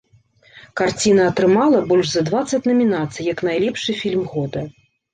Карціна атрымала больш за дваццаць намінацый як найлепшы фільм года.